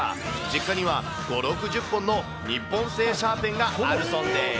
実家には５、６０本の日本製シャーペンがあるそうです。